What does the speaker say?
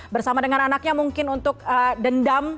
bersama dengan anaknya mungkin untuk dendam